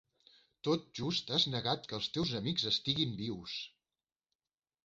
Tot just has negat que els teus amics estiguin vius.